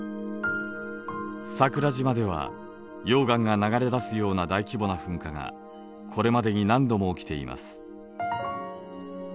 桜島では溶岩が流れ出すような大規模な噴火がこれまでに何度も起きています。